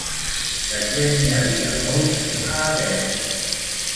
De què n'hi havia molts, a Atenes?